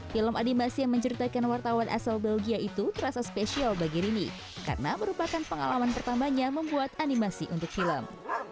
film animasi yang menceritakan wartawan asal belgia itu terasa spesial bagi rini karena merupakan pengalaman pertamanya membuat animasi untuk film